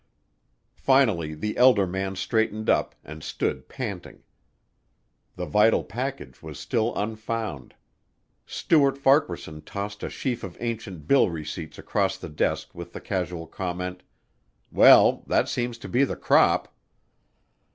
Finally the elder man straightened up, and stood panting. The vital package was still unfound. Stuart Farquaharson tossed a sheaf of ancient bill receipts across the desk with the casual comment, "Well, that seems to be the crop."